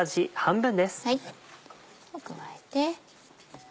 加えて。